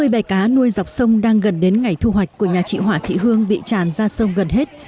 hai mươi bè cá nuôi dọc sông đang gần đến ngày thu hoạch của nhà chị hỏa thị hương bị tràn ra sông gần hết